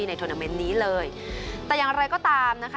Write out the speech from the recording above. ดังเกี่ยวกันให้ว่าอัพ